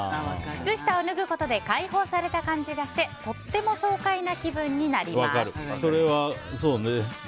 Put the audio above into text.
靴下を脱ぐことで開放された感じがしてとっても爽快な気分になります。